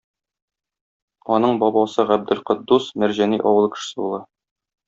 Аның бабасы Габделкотдус Мәрҗани авылы кешесе була.